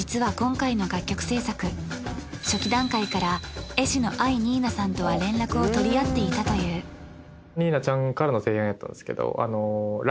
初期段階から絵師の藍にいなさんとは連絡を取り合っていたというにいなちゃんからの提案やったんですけど。